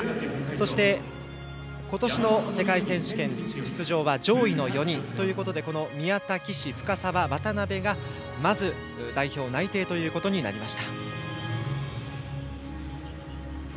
そして、今年の世界選手権出場は上位の４人ということで宮田、岸、深沢、渡部がまず代表内定となりました。